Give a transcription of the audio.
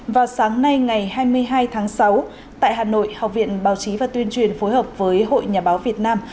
vào sáng nay ngày hai mươi hai tháng sáu tại hà nội học viện báo chí và tuyên truyền phối hợp với hội nhà báo việt nam